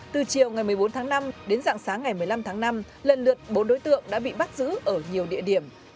từ chiều ngày một mươi bốn tháng năm đến dạng sáng ngày một mươi năm tháng năm lần lượt bốn đối tượng đã bị bắt giữ ở nhiều địa điểm